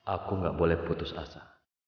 aku gak boleh putus rasa